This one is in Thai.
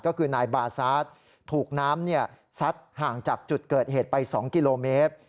ก็คือนายบาซาสถูกน้ำซัดห่างจากจุดเกิดเหตุไป๒กิโลเมตร